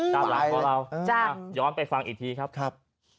ตามอาการของเราย้อนไปฟังอีกทีครับ